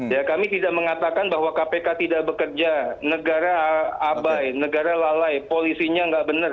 ya kami tidak mengatakan bahwa kpk tidak bekerja negara abai negara lalai polisinya nggak benar